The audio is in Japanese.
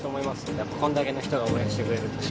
やっぱこんだけの人が応援してくれる。